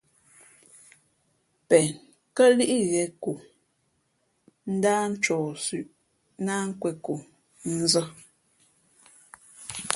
Pen kά lǐʼ ghēn ko, ndáh ncohsʉ̄ʼ ná nkwe᷇n ko nzᾱ.